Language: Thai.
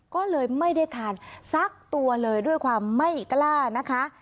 ก็เลยไม่ได้ทานสักตัวเลยด้วยความไม่กล้านะคะ